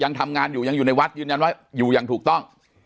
ยังทำงานอยู่ยังอยู่ในวัดยืนยันว่าอยู่อย่างถูกต้อง